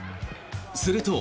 すると。